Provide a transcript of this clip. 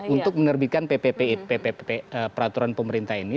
untuk menerbitkan peraturan pemerintah ini